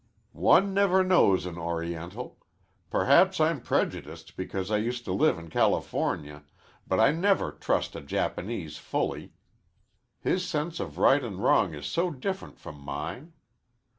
"One never knows an Oriental. Perhaps I'm prejudiced because I used to live in California, but I never trust a Japanese fully. His sense of right and wrong is so different from mine.